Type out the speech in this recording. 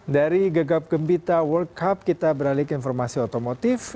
dari gegap gembita world cup kita beralih ke informasi otomotif